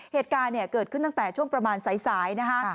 เหตุการณ์เนี่ยเกิดขึ้นตั้งแต่ช่วงประมาณสายนะคะ